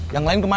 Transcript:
yang lain kemana